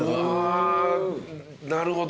あなるほど。